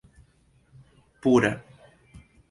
pura